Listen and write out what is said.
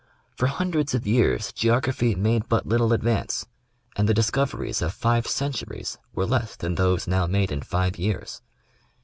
For hundreds of years geography made but little advance — and the discoveries of five centuries were less than those now made in five years.